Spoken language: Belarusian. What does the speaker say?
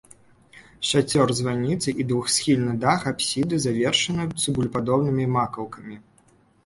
Шацёр званіцы і двухсхільны дах апсіды завершаны цыбулепадобнымі макаўкамі.